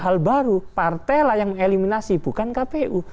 hal baru partailah yang mengeliminasi bukan kpu